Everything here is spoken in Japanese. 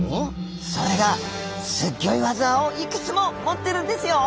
それがすギョい技をいくつも持ってるんですよ。